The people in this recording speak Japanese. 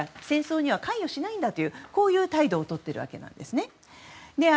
戦争には関与しないんだとこういう態度をとっているわけですね。